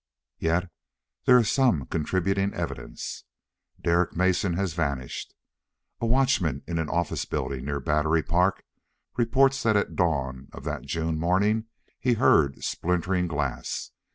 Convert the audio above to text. Yet there is some contributing evidence. Derek Mason has vanished. A watchman in an office building near Battery Park reports that at dawn of that June morning he heard splintering glass.